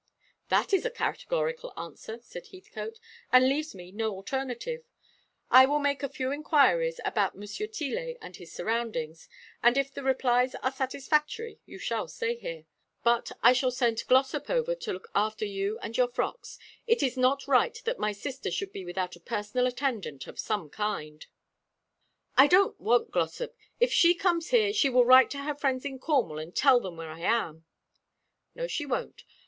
"That is a categorical answer," said Heathcote, "and leaves me no alternative. I will make a few inquiries about Monsieur Tillet and his surroundings, and if the replies are satisfactory you shall stay here. But I shall send Glossop over to look after you and your frocks. It is not right that my sister should be without a personal attendant of some kind." "I don't want Glossop. If she comes here, she will write to her friends in Cornwall and tell them where I am." "No, she won't.